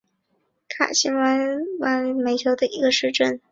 卡辛巴迪登特罗是巴西帕拉伊巴州的一个市镇。